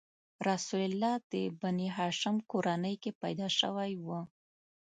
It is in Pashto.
رسول الله د بنیهاشم کورنۍ کې پیدا شوی و.